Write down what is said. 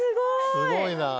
すごいなぁ。